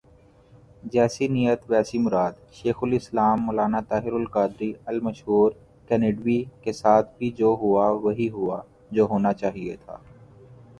جیسی نیت ویسی مراد ، شیخ الاسلام مولانا طاہرالقادری المشور کینڈیوی کے ساتھ بھی جو ہوا ، وہی ہوا ، جو ہونا چاہئے تھا ۔